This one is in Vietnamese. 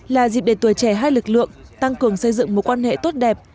là dịp để tuổi trẻ hai lực lượng tăng cường xây dựng mối quan hệ tốt đẹp